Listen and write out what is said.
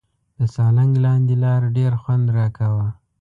د سالنګ لاندې لار ډېر خوند راکاوه.